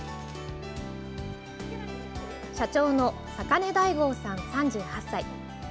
社長の坂根大郷さん、３８歳。